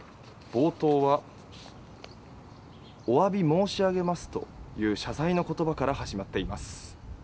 冒頭はお詫び申し上げますという謝罪の言葉から始まっています。